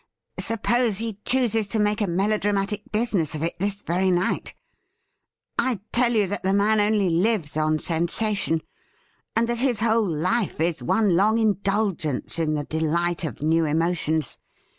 ' Suppose he chooses to make a melodramatic business of it this very night ? I tell you that the man only lives on sensation, and that his whole life is one long indulgence in the delight of new emotions.